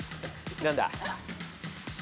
何だ？